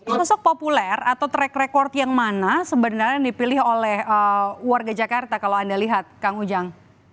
sosok populer atau track record yang mana sebenarnya yang dipilih oleh warga jakarta kalau anda lihat kang ujang